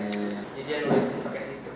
ini dia nulisnya